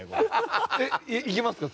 えっいきますか？